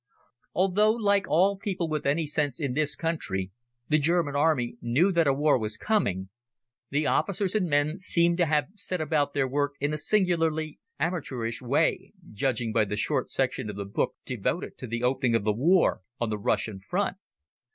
Although, like all the people with any sense in this country, the German Army knew that a war was coming, the officers and men seem to have set about their work in a singularly amateurish way, judging by the short section of the book devoted to the opening of the war on the Russian Front.